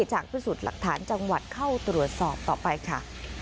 จากพิสูจน์หลักฐานจังหวัดเข้าตรวจสอบต่อไปค่ะ